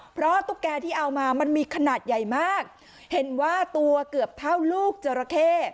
เพราะตุ๊กแกที่เอามามันมีขนาดใหญ่มากเห็นว่าตัวเกือบเท่าลูกจราเข้